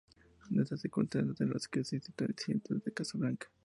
Es en esas circunstancias en las que se sitúa el incidente de Casa Blanca.